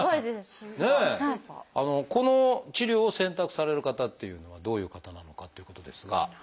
この治療を選択される方っていうのはどういう方なのかっていうことですが。